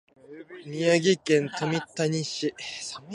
宮城県富谷市